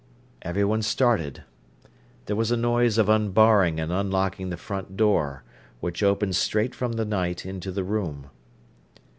Everyone started. There was a noise of unbarring and unlocking the front door, which opened straight from the night into the room.